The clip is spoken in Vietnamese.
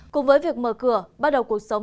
cùng với việc mở cửa bắt đầu cuộc sống